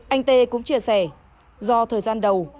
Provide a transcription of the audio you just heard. anh t cũng chia sẻ do thời gian đầu